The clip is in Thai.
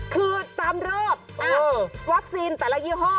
คือตามรอบวัคซีนแต่ละยี่ห้อ